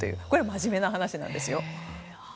これは真面目な話なんですよ。